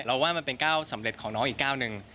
ว่ามันเป็นก้าวสำเร็จของน้องอีกก้าวหนึ่ง